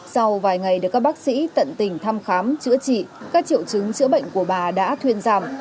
sau vài ngày được các bác sĩ tận tình thăm khám chữa trị các triệu chứng chữa bệnh của bà đã thuyên giảm